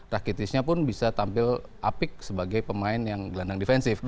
rakitisnya pun bisa tampil apik sebagai pemain yang gelandang defensif